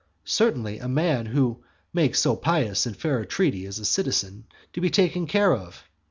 Certainly, a man who makes so pious and fair a treaty is a citizen to be taken care of!